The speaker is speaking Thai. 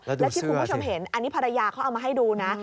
แล้วที่คุณผู้ชมเห็นอันนี้ภรรยาเขาเอามาให้ดูนะ